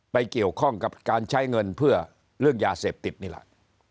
เกี่ยวข้องกับการใช้เงินเพื่อเรื่องยาเสพติดนี่แหละ